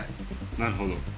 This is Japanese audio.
なるほど。